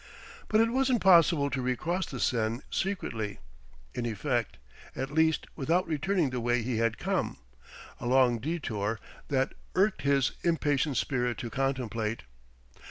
But it wasn't possible to recross the Seine secretly in effect, at least without returning the way he had come a long detour that irked his impatient spirit to contemplate.